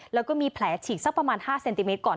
แล้วก็มีแผลฉีกสักประมาณ๕เซนติเมตรก่อน